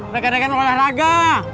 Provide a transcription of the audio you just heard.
gak ada yang mau naga